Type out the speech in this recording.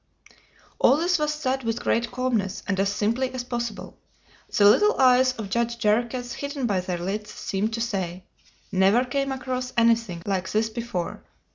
All this was said with great calmness, and as simply as possible. The little eyes of Judge Jarriquez, hidden by their lids, seemed to say: "Never came across anything like this before."